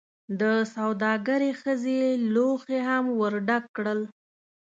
دسوداګرې ښځې لوښي هم ورډک کړل.